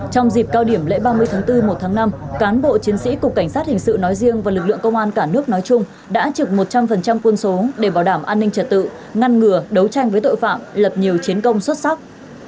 trong dịp cao điểm lễ ba mươi tháng bốn một tháng năm cán bộ chiến sĩ cục cảnh sát hình sự nói riêng và lực lượng công an cả nước nói chung đã trực một trăm linh quân số để bảo đảm an ninh trật tự ngăn ngừa đấu tranh với tội phạm lập nhiều chiến công xuất sắc